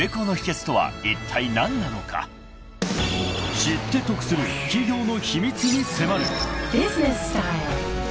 ［知って得する企業の秘密に迫る］